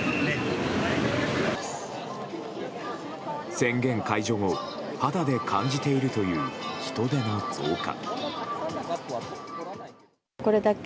宣言解除後肌で感じているという人出の増加。